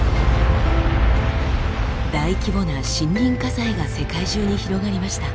大規模な森林火災が世界中に広がりました。